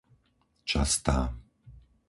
Častá